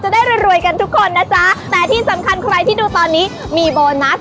ได้รวยรวยกันทุกคนนะจ๊ะแต่ที่สำคัญใครที่ดูตอนนี้มีโบนัส